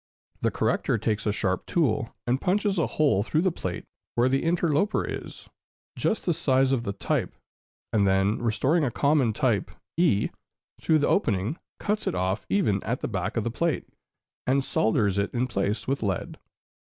The corrector takes a sharp tool, and punches a hole through the plate where the interloper is, just the size of the type, and then restoring a common type e, through the opening, cuts it off even at the back of the plate, and solders it in its place with lead.